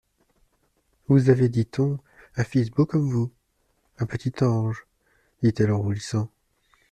Vous avez, dit-on, un fils beau comme vous ? Un petit ange ! dit-elle en rougissant.